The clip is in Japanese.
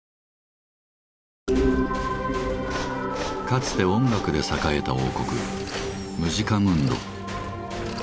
かつて音楽で栄えた王国「ムジカムンド」。